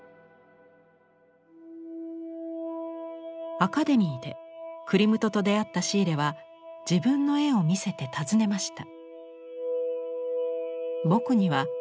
アカデミーでクリムトと出会ったシーレは自分の絵を見せて尋ねました。